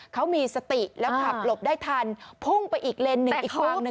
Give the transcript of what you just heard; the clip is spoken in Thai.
เขามีสติแล้วขับหลบได้ทันพุ่งไปอีกเลนส์หนึ่งอีกฝั่งหนึ่ง